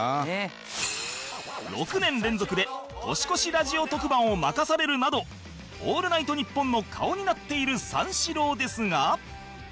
６年連続で年越しラジオ特番を任されるなど『オールナイトニッポン』の顔になっている三四郎ですが